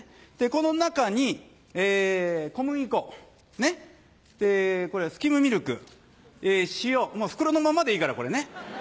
この中に小麦粉これはスキムミルク塩もう袋のままでいいからこれね。